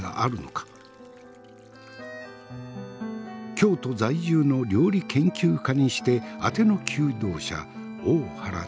京都在住の料理研究家にしてあての求道者大原千鶴。